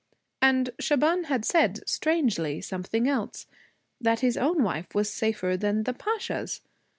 And Shaban had said, strangely, something else that his own wife was safer than the Pasha's.